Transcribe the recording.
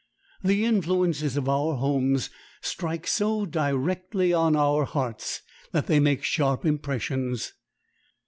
The influences of our homes strike so directly on our hearts that they make sharp impressions.